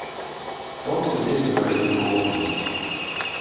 Сонца лезе гарэзліва ў акно.